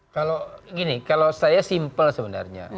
kalau gini kalau saya simpel sebenarnya